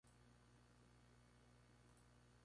Sin embargo, reconsideró su decisión y pospuso esa retirada.